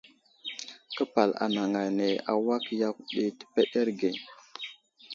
Képal anaŋ ane awak yakw ɗi təpəɗerge.